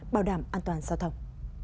bảo đảm an toàn giao thông